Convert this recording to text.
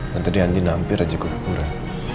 nanti di andin hampir aja gue keburan